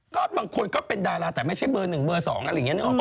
ก็บางคนก็เป็นดาราแต่ไม่ใช่เบอร์หนึ่งเบอร์สองอะไรอย่างเงี้ย